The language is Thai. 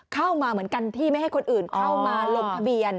เข้ามาเหมือนกันที่ไม่ให้คนอื่นเข้ามาลงทะเบียน